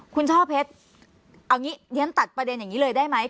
คุณช่อเพชรเอาอย่างงี้ฉะนั้นตัดประเด็นอย่างงี้เลยได้ไหม